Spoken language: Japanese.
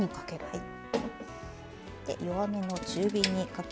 はい。